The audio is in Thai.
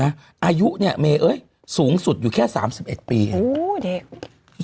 อายุเนี่ยเมย์สูงสุดอยู่แค่๓๑ปี